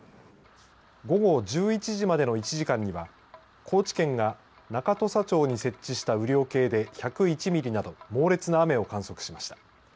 午後１１時までの１時間には高知県が中土佐町に設置した雨量計で１０１ミリなど猛烈な雨を観測しました。